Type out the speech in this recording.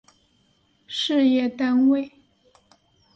事业单位